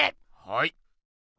はい。